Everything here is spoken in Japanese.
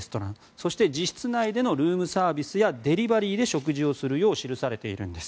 そして、自室内でのルームサービスやデリバリーで食事をするよう記されているんです。